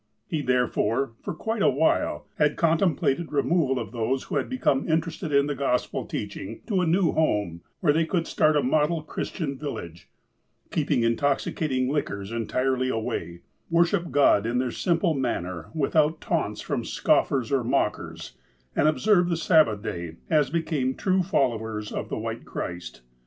He, therefore, for quite a while had contemplated the removal of those who had become interested in the Gospel teaching, to a new home, where they could start a model Christian village, keep intoxicating liquors entirely away, worship God in their simple manner without taunts from scoffers or mockers, and observe the Sabbath day, as be came true followers of the White Christ.